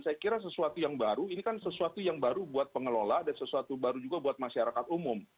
saya kira sesuatu yang baru ini kan sesuatu yang baru buat pengelola dan sesuatu baru juga buat masyarakat umum